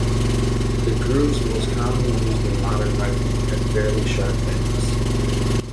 The grooves most commonly used in modern rifling have fairly sharp edges.